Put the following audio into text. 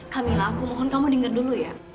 kamila aku mohon kamu denger dulu ya